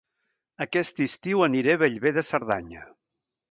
Aquest estiu aniré a Bellver de Cerdanya